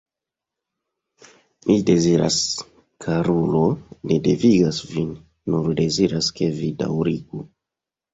Mi deziras, karulo, ne devigas vin, nur deziras, ke vi daŭrigu.